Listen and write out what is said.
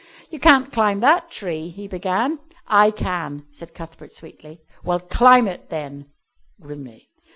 "You can't climb that tree," he began. "I can," said Cuthbert sweetly. "Well, climb it then," grimly.